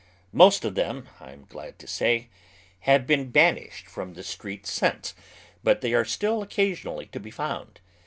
Most of them, I am glad to say, have been banished from the street since; but they are still occasionally to be found.